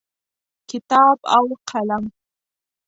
کتاب او قلم